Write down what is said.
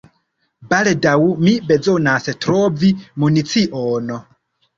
Baldaŭ mi bezonas trovi municion.